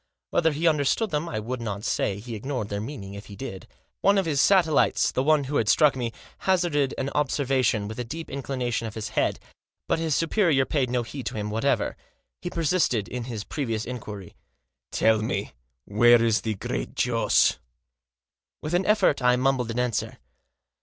Whether he understood them I could not say, he ignored their meaning if he did. One of his satellites — the one who had struck me — hazarded an observa tion, with a deep inclination of his head, but his superior paid no heed to hinj whatever. He persisted in his previous inquiry. " Tell me, where is the Great Joss ?" With an effort I mumbled an answer.